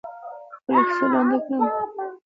خپله کیسه لنډه کړم.